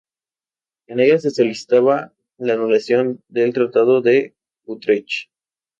En ella se solicitaba la anulación del Tratado de Utrecht.